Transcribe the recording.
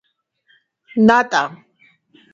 ნატა